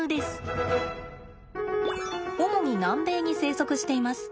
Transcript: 主に南米に生息しています。